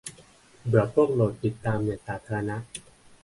เบื่อพวกโหลดบิทตามเน็ตสาธารณะ